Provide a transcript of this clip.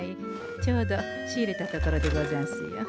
ちょうど仕入れたところでござんすよ。